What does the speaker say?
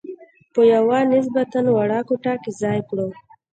په یوه نسبتاً وړه کوټه کې ځای کړو.